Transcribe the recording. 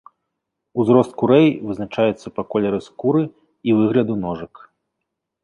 Узрост курэй вызначаецца па колеры скуры і выгляду ножак.